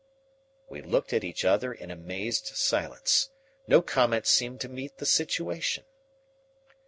'" We looked at each other in amazed silence. No comment seemed to meet the situation.